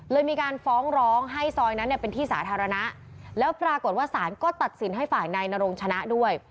มีการฟ้องร้องให้ซอยนั้นเนี่ยเป็นที่สาธารณะแล้วปรากฏว่าศาลก็ตัดสินให้ฝ่ายนายนรงชนะด้วย